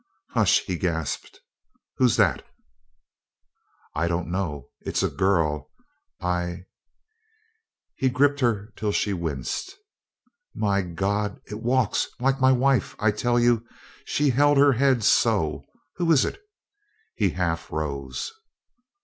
"Hush!" he gasped. "Who's that?" "I don't know it's a girl I " He gripped her till she winced. "My God it walks like my wife I tell you she held her head so who is it?" He half rose.